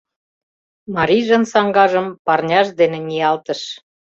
Марийжын саҥгажым парняж дене ниялтыш.